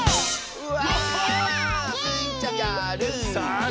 うわ！